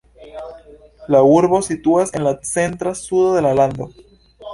La urbo situas en la centra sudo de la lando.